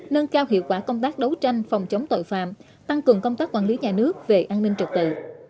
nâng cao hiệu quả công tác đấu tranh phòng chống tội phạm tăng cường công tác quản lý nhà nước về an ninh trật tự